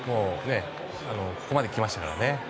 ここまで来ましたからね。